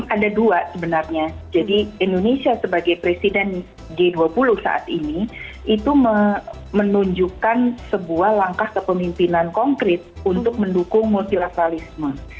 ada dua sebenarnya jadi indonesia sebagai presiden g dua puluh saat ini itu menunjukkan sebuah langkah kepemimpinan konkret untuk mendukung multilateralisme